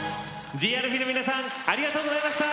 ＴＨＥＡＬＦＥＥの皆さんありがとうございました！